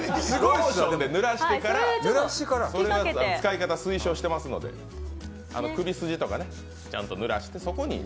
ローションでぬらしてからの使い方を推奨していますので、首筋とかちゃんとぬらしてそこに。